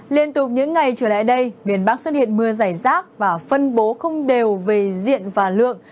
liên tục những ngày trở lại đây miền bắc xuất hiện mưa dày rác và phân bố không đều về diện và lượng